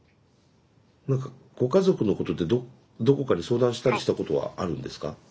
何かご家族のことでどこかに相談したりしたことはあるんですか？